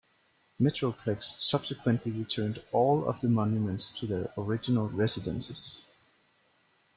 Metroplex subsequently returned all of the monuments to their original residences.